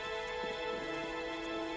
ya yaudah kamu jangan gerak deh ya